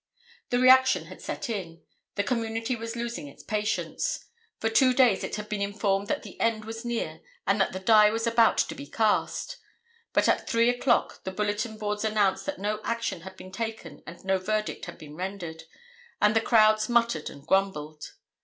The reaction had set in, the community was losing its patience. For two days it had been informed that the end was near and that the die was about to be cast; but at 3 o'clock the bulletin boards announced that no action had been taken and no verdict had been rendered, and the crowds muttered and grumbled.